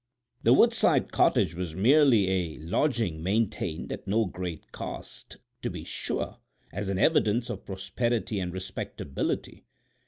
The woodside cottage was merely a lodging maintained—at no great cost, to be sure—as an evidence of prosperity and respectability.